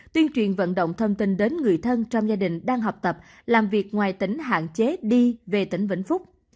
tuyên truyền vận động thông tin đến người thân trong gia đình đang học tập làm việc ngoài tỉnh hạn chế đi về tỉnh vĩnh phúc